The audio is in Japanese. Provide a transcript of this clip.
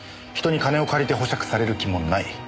人に金を借りて保釈される気もない。